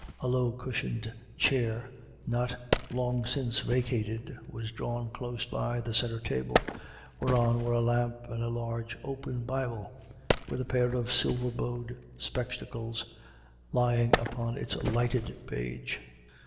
A low cushioned chair, not long since vacated, was drawn close by the centre table, whereon were a lamp and a large, open Bible, with a pair of silver bowed spectacles lying upon its lighted page.